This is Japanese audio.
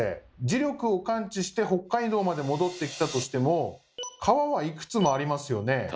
磁力を感知して北海道まで戻ってきたとしても川はいくつもありますよね？